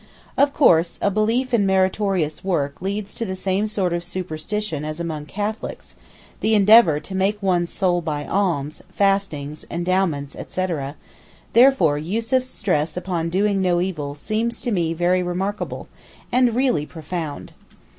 Of course, a belief in meritorious works leads to the same sort of superstition as among Catholics, the endeavour to 'make one's soul' by alms, fastings, endowments, etc.; therefore Yussuf's stress upon doing no evil seems to me very remarkable, and really profound.